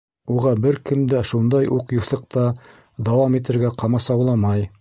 Уға бер кем дә шундай уҡ юҫыҡта дауам итергә ҡамасауламай.